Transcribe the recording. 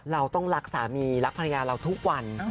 เราต้องรักสามีรักภรรยาเราทุกวัน